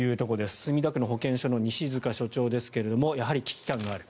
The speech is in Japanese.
墨田区の保健所の西塚所長ですがやはり危機感がある。